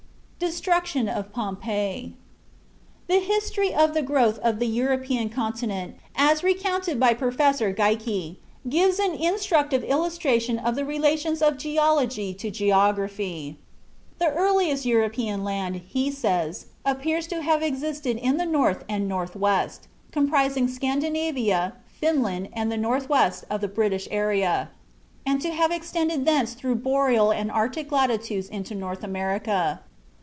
DESTRUCTION OF POMPEII The history of the growth of the European Continent, as recounted by Professor Geikie, gives an instructive illustration of the relations of geology to geography. The earliest European land, he says, appears to have existed in the north and north west, comprising Scandinavia, Finland, and the northwest of the British area, and to have extended thence through boreal and arctic latitudes into North America.